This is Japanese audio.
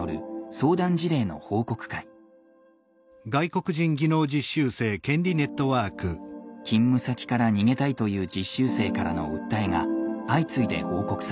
勤務先から逃げたいという実習生からの訴えが相次いで報告されました。